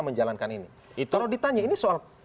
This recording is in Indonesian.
menjalankan ini kalau ditanya ini soal